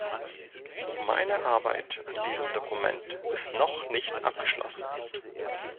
Meine Arbeit an diesem Dokument ist noch nicht abgeschlossen.